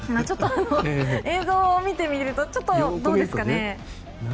ちょっと映像を見てみるとどうですかね。